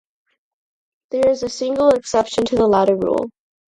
There is a single exception to the latter rule.